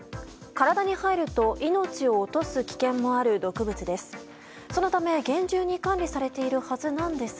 体に入ると命を落とす危険もある毒物です。